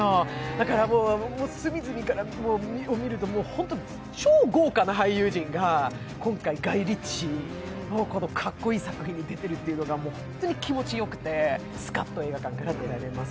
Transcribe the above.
だからもう隅々を見ると、本当に超豪華な俳優陣が今回、ガイ・リッチーのかっこいい作品に出てるっていうのがすごく気持ちよくて、スカッと映画館から出られます。